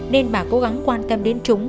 nên bà cố gắng quan tâm đến chúng